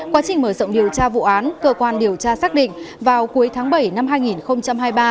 quá trình mở rộng điều tra vụ án cơ quan điều tra xác định vào cuối tháng bảy năm hai nghìn hai mươi ba